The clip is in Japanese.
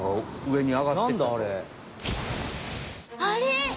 あれ？